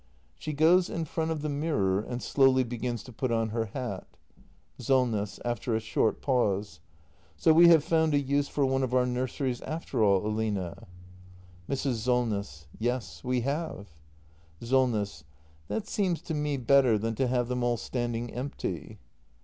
[She goes in front of the mirror and slowly begins to put on her hat. Solness. [After a short pause.] So we have found a use for one of our nurseries after all, Aline. Mrs. Solness. Yes, we have. Solness. That seems to me better than to have them all stand ing empty.